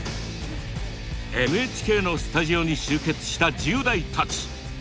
ＮＨＫのスタジオに集結した１０代たち。